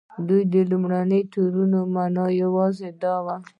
د دې لومړیو تورونو معنی یوازې دا وه.